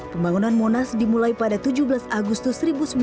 pembangunan monas dimulai pada tujuh belas agustus seribu sembilan ratus empat puluh